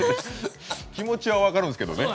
気持ちは分かるんですけどね。